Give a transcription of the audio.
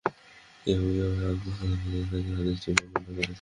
কেউ কেউ আবদুস সামাদ থেকে হাদীসটি বর্ণনা করেছেন।